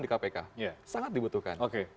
di kpk sangat dibutuhkan